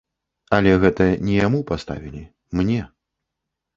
Але гэта не яму паставілі, мне.